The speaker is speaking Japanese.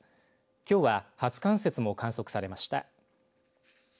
きょうは初冠雪も観測されました。